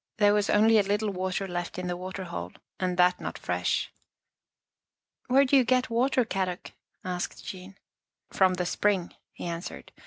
There was only a little water left in the water hole, and that not fresh. " Where do you get water, Kadok? " asked Jean. " From the spring," he answered.